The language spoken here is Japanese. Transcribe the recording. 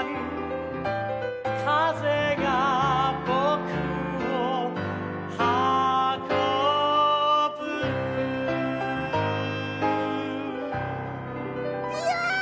「かぜがぼくをはこぶ」いや！